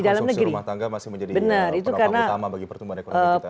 karena konsumsi rumah tangga masih menjadi pendorong utama bagi pertumbuhan ekonomi kita